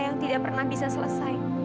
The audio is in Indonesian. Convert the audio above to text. yang tidak pernah bisa selesai